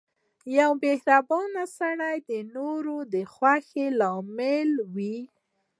• یو مهربان سړی د نورو د خوښۍ لامل وي.